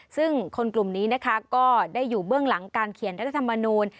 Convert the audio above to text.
ซึ่งคนกลุ่มนี้นะคะก็ได้อยู่เบื้องหลังการเขียนรัฐธรรมนูล